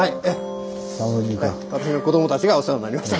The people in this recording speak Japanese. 私の子供たちがお世話になりました。